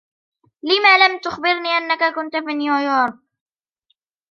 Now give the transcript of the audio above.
لِم لَم تخبرني أنك كنت في نيويورك ؟